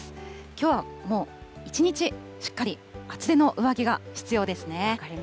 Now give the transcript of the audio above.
きょうはもう一日しっかり厚手の上着が必要ですね。